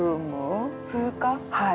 はい。